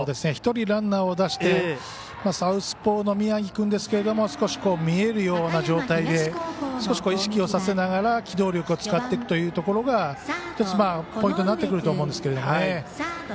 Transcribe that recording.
１人ランナーを出してサウスポーの宮城君ですけど少し見えるような状態で少し意識をさせながら機動力を使っていくということが１つポイントになってくると思うんですけどね。